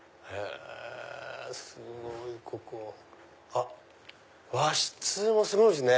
あっ和室もすごいっすね。